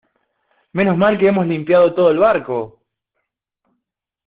menos mal que hemos limpiado todo el barco ;